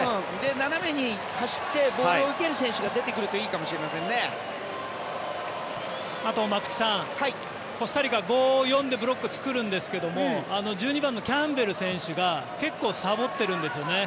斜めに走ってボールを受ける選手があと松木さんコスタリカは５、４でブロックを作るんですけど１２番のキャンベル選手が結構さぼっているんですね。